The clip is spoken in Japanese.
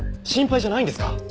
心配じゃないんですか？